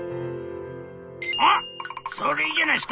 「あ！それいいじゃないですか！